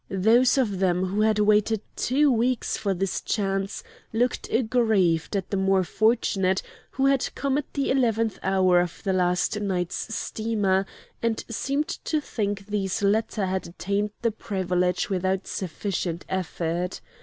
Those of them who had waited two weeks for this chance looked aggrieved at the more fortunate who had come at the eleventh hour on the last night's steamer, and seemed to think these latter had attained the privilege without sufficient effort.